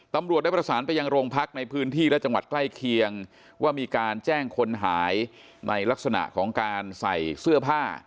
ตำรวจได้ประสานไปยังโรงพักในพื้นที่และจังหวัดใกล้เคียงว่ามีการแจ้งคนหายในลักษณะของการใส่เสื้อผ้า